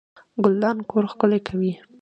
ګلدان کور ښکلی کوي